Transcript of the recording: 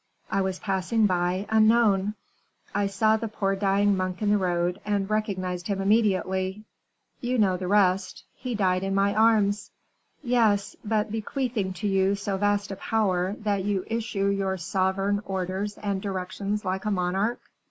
I was passing by, unknown; I saw the poor dying monk in the road, and recognized him immediately. You know the rest he died in my arms." "Yes; but bequeathing to you so vast a power that you issue your sovereign orders and directions like a monarch."